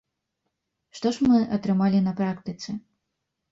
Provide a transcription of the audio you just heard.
Што ж мы атрымалі на практыцы?